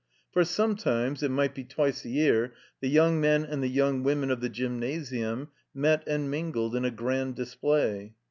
For sometimes, it might be twice a year, the yoimg men and the yoimg women of the Gyrimasitmi met and mingled in a Grand Display.